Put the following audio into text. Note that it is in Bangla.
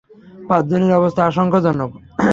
পাঁচজনের অবস্থা আশঙ্কাজনক।